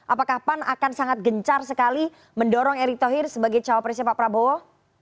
apakah pan akan sangat gencar sekali mendorong erick thohir sebagai cawapresnya pak prabowo